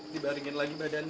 dibaringin lagi badannya